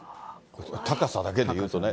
高さだけでいうとね。